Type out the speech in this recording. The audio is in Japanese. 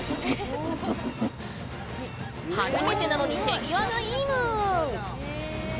初めてなのに手際がいいぬん！